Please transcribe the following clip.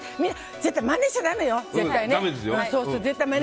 絶対まねしちゃだめね。